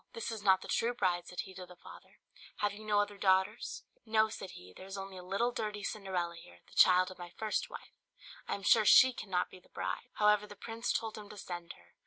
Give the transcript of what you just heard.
"This is not the true bride," said he to the father; "have you no other daughters?" "No," said he; "there is only a little dirty Cinderella here, the child of my first wife; I am sure she cannot be the bride." However, the prince told him to send her.